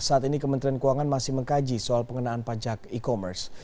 saat ini kementerian keuangan masih mengkaji soal pengenaan pajak e commerce